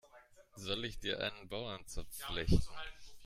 Soll ich dir einen Bauernzopf flechten?